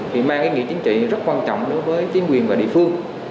thì mang ý nghĩa chính trị rất quan trọng đối với chính quyền và địa phương